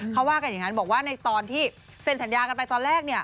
เขาว่ากันอย่างนั้นบอกว่าในตอนที่เซ็นสัญญากันไปตอนแรก